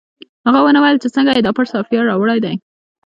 هغه ونه ویل چې څنګه یې دا پټ سافټویر راوړی دی